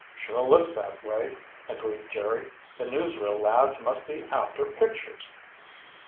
"Sure looks that way," agreed Jerry. "The newsreel lads must be after pictures."